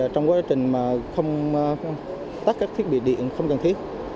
trong quá trình tắt các thiết bị điện không cần thiết